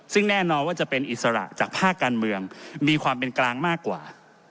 ซึ่งแน่นอนว่าจะเป็นอิสระจากภาคการเมืองมีความเป็นกลางมากกว่า